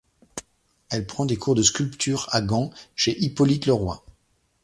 Elle prend des cours de sculpture à Gand chez Hippolyte Le Roy.